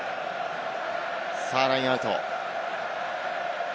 さぁラインアウト。